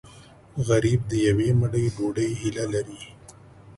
غریب د یوې مړۍ ډوډۍ هیله لري